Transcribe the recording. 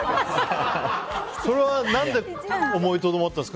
それは思いとどまったんですか。